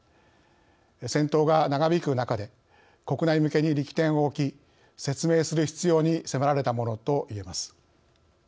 戦闘が長引く中で国内向けに力点を置き説明する必要に迫られたものといえます。